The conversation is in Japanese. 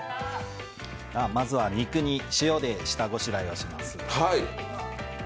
まずは肉に塩で下ごしらえをします。